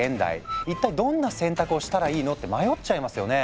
一体どんな選択をしたらいいの？って迷っちゃいますよね。